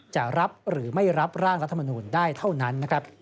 จะรับหรือไม่รับร่างรัฐมนูลได้เท่านั้นนะครับ